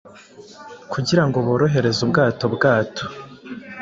kugira ngo borohereze ubwato bwato.